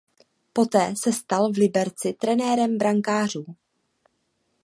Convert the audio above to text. Poté se stal v Liberci trenérem brankářů.